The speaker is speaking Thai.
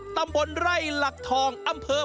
โปรดติดตามตอนต่อไป